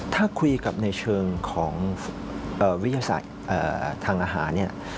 ถ้าคุยกับในเชิงของวิทยาศาสตร์ทางอาหารเนี่ย